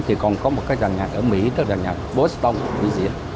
thì còn có một cái dàn nhạc ở mỹ tức là nhạc boston bị diễn